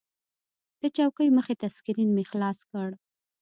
د چوکۍ مخې ته سکرین مې خلاص کړ.